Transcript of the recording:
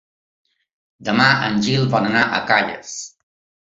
Demà en Gil vol anar a Calles.